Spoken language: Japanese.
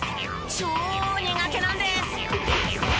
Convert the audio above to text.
超苦手なんです。